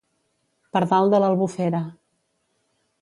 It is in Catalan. Pardal de l'Albufera.